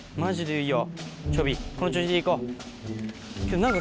いいよ。